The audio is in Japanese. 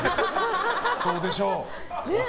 そうでしょう。